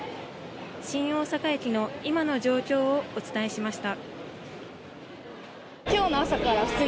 新大阪駅の今の状況をお伝えしました。